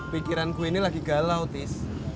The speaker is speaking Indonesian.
pikiran gue ini lagi galau tis